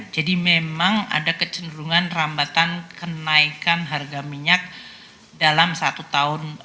memang ada kecenderungan rambatan kenaikan harga minyak dalam satu tahun